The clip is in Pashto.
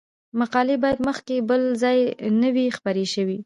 مقالې باید مخکې بل ځای نه وي خپرې شوې.